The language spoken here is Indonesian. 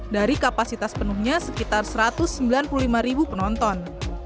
dari kapasitas penuhnya sekitar satu ratus sembilan puluh lima ribu penonton